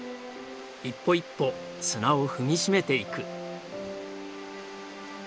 一歩一歩砂を踏み締めていく。